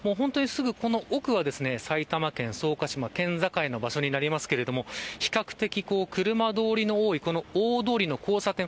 この国は埼玉県草加市、県境の場所になりますけれど比較的、車通りの多い大通りの交差点